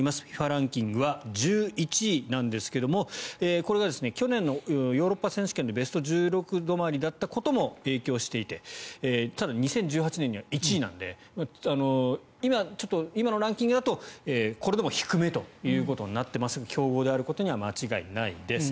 ランキングは１１位ですがこれは去年のヨーロッパ選手権でベスト１６止まりだったことも影響していてただ、２０１８年には１位なので今のランキングだとこれでも低めということになっていますが強豪であることは間違いないです。